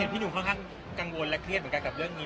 พี่หนุ่มค่อนข้างกังวลและเครียดเหมือนกันกับเรื่องนี้